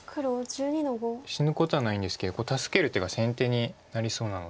死ぬことはないんですけど助ける手が先手になりそうなので。